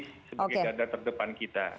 sebagai ganda terdepan kita